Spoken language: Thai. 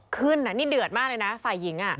ขึ้นนี่เดือดมากเลยนะฝ่ายหญิง